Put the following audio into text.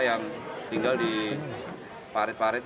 yang tinggal di parit parit